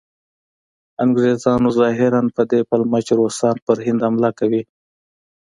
انګریزانو ظاهراً په دې پلمه چې روسان پر هند حمله کوي.